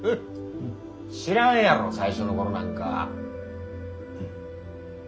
知らんやろ最初の頃なんか。